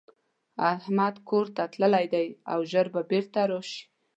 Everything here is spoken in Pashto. احمدکورته تللی دی او ژر به بيرته راشي.